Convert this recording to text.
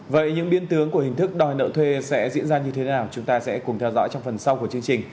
vậy những biên tướng của hình thức đòi nợ thuê sẽ diễn ra như thế nào chúng ta sẽ cùng theo dõi trong phần sau của chương trình